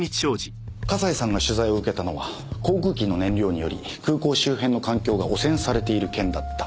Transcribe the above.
笠井さんが取材を受けたのは航空機の燃料により空港周辺の環境が汚染されている件だった。